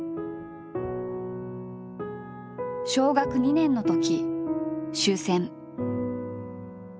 小学２年のとき終戦。